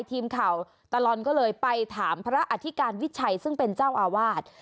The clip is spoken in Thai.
ทีมข่าวตลอดก็เลยไปถามพระอธิการวิชัยซึ่งเป็นเจ้าอาวาส